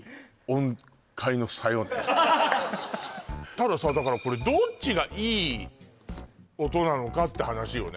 たださこれどっちがいい音なのかって話よね